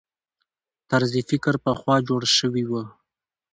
طرز فکر پخوا جوړ شوي وو.